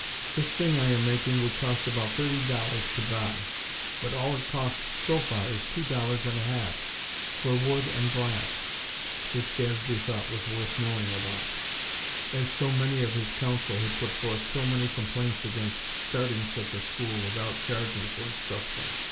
This thing I am making would cost about thirty dollars to buy, but all it cost, so far, is two dollars and a half, for wood and glass," which Gadsby thought was worth knowing about; as so many of his Council had put forth so many complaints against starting such a school without charging for instruction.